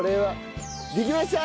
できました！